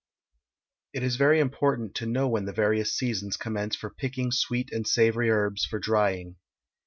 It is very important to know when the various seasons commence for picking sweet and savory herbs for drying.